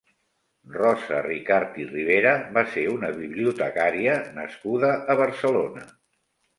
Rosa Ricart i Ribera va ser una bibliotecària nascuda a Barcelona.